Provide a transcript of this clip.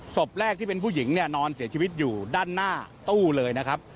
ศพแรกที่เป็นผู้หญิงเนี่ยนอนเสียชีวิตอยู่ด้านหน้าตู้เลยนะครับ